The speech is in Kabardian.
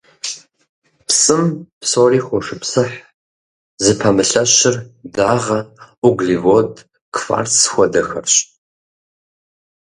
Псым псори хошыпсыхь, зыпэмылъэщыр дагъэ, углевод, кварц хуэдэхэрщ.